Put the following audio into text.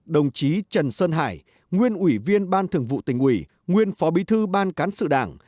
đồng chí trần sơn hải nguyên ủy viên ban thường vụ tỉnh ủy nguyên phó bí thư ban cán sự đảng